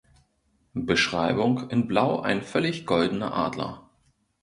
Beschreibung: In Blau ein völlig goldener Adler.